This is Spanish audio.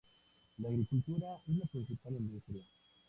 La agricultura es la principal industria.